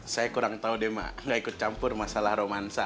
saya kurang tau deh mbak gak ikut campur masalah romansa